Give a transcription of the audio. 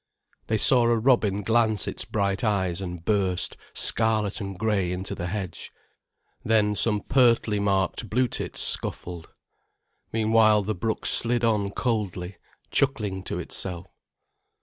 They saw a robin glance its bright eyes and burst scarlet and grey into the hedge, then some pertly marked blue tits scuffled. Meanwhile the brook slid on coldly, chuckling to itself.